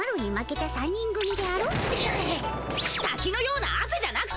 たきのようなあせじゃなくて。